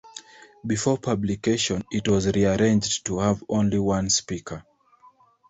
Before publication, it was rearranged to have only one speaker.